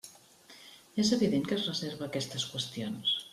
És evident que es reserva aquestes qüestions.